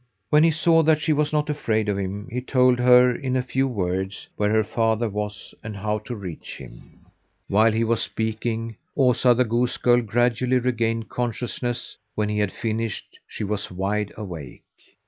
When he saw that she was not afraid of him, he told her in a few words where her father was and how to reach him. While he was speaking, Osa, the goose girl, gradually regained consciousness; when he had finished she was wide awake.